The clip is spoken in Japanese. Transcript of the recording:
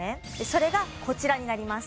それがこちらになります